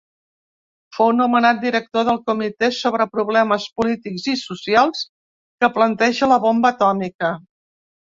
Fou nomenat director del Comitè sobre problemes polítics i socials que planteja la bomba atòmica.